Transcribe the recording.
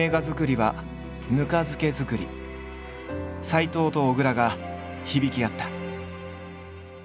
斎藤と小倉が響き合った。